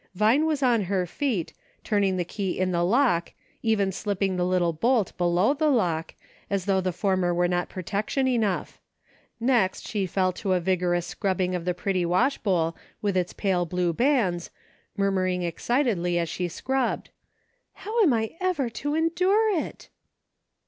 Vine was on her feet, turning the key in the lock, even slipping the little bolt below the lock, as though the former were not pro tection enough ; next she fell to a vigorous scrub bing of the pretty wash bowl with its pale blue bands, murmuring excitedly as she rubbed :" How I am ever to endure it